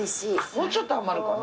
もうちょっと余るかな。